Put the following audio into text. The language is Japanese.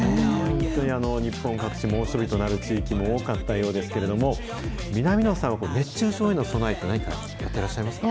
本当に、日本各地、猛暑日となる地域も多かったようですけれども、南野さんは、熱中症への備えって、何かやってらっしゃいますか？